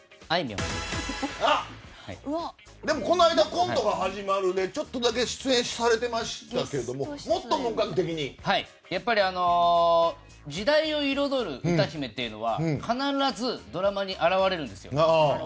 この間、「コントが始まる」でちょっとだけ出演されてましたけどやっぱり時代を彩る歌姫というのは必ずドラマに現れるんですよ。